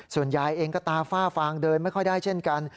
ส่วนยายเองก็ตาฝ้าฟางเดินไม่ค่อยได้เช่นกัน